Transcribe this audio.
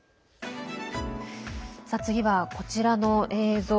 次はこちらの映像。